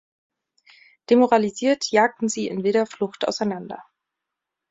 Demoralisiert jagten sie in wilder Flucht auseinander.